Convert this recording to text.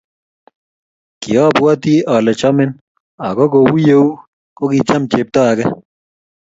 ki obwoti ale chomin, ako kou yeu, kokicham chepto age